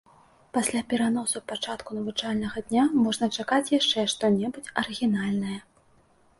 Пасля пераносу пачатку навучальнага дня можна чакаць яшчэ што-небудзь арыгінальнае.